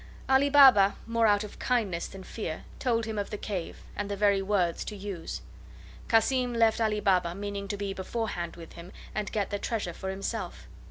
Ali Baba, more out of kindness than fear, told him of the cave, and the very words to use. Cassim left Ali Baba, meaning to be beforehand with him and get the treasure for himself.